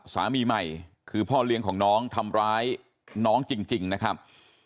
สามีใหม่คือพ่อเลี้ยงของน้องทำร้ายน้องจริงนะครับ